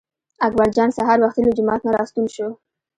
اکبر جان سهار وختي له جومات نه راستون شو.